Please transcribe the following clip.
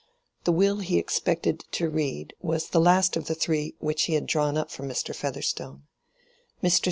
The will he expected to read was the last of three which he had drawn up for Mr. Featherstone. Mr.